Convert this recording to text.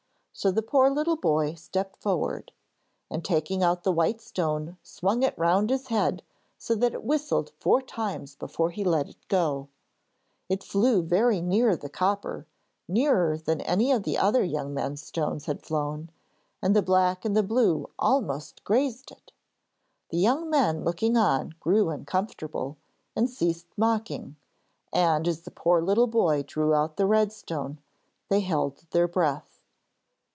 So the poor little boy stepped forward, and taking out the white stone swung it round his head so that it whistled four times before he let it go. It flew very near the copper, nearer than any of the young men's stones had flown, and the black and the blue almost grazed it. The young men looking on grew uncomfortable and ceased mocking, and as the poor little boy drew out the red stone, they held their breath.